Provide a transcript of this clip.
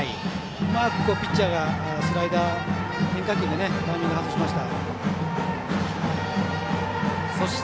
うまくピッチャーがスライダー変化球でタイミング、外しました。